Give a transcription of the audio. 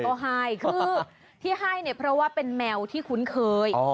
ก็ให้คือที่ให้เนี่ยเพราะว่าเป็นแมวที่คุ้นเคย